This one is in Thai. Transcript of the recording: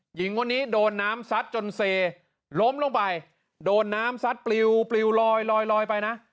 หญิงคนนี้โดนน้ำซัดจนเสร็จล้มลงไปโดนน้ำซัดปลิวลอยไปนะ